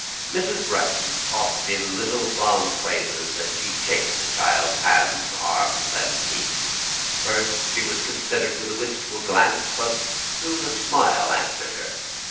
Mrs. Bretton talked in little fond phrases as she chafed the child's hands, arms, and feet; first she was considered with a wistful gaze, but soon a smile answered her.